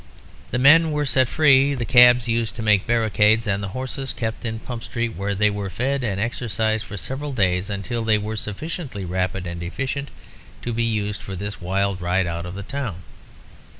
The men were set free, the cabs used to make barricades, and the horses kept in Pump Street, where they were fed and exercised for several days, until they were sufficiently rapid and efficient to be used for this wild ride out of the town.